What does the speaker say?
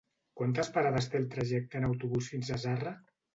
Quantes parades té el trajecte en autobús fins a Zarra?